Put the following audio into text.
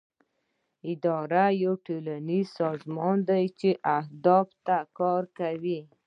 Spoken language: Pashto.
اداره یو ټولنیز سازمان دی چې اهدافو ته کار کوي.